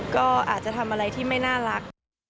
ก็อาจจะทำอะไรที่ไม่น่ารัก